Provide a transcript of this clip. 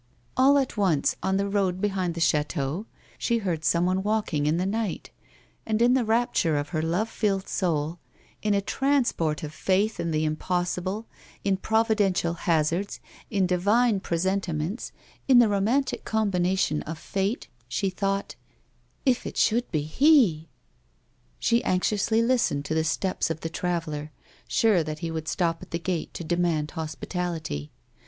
All at once, on the road behind the chateau, she heard someone walking in the night, and in the rapture of her love filled soul, in a transport of faith in the impossible, in providential hazards, in divine presentiment, in the romantic combinations of Fate, she thought ;" If it should be he !" She anxiously listened to the steps of the traveller, sure that he would stop at the gate to demand hospitality.